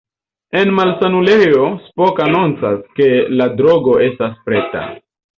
En malsanulejo, Spock anoncas, ke la drogo estas preta.